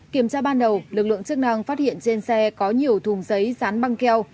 kiểm tra ban đầu lực lượng chức năng phát hiện trên xe có nhiều thùng giấy dán băng keo